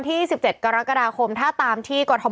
เป็นการกระตุ้นการไหลเวียนของเลือด